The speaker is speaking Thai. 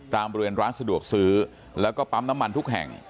บริเวณร้านสะดวกซื้อแล้วก็ปั๊มน้ำมันทุกแห่ง